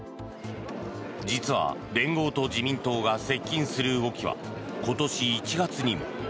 実は、連合と自民党が接近する動きは今年１月にも。